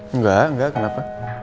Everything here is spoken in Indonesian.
enggak enggak kenapa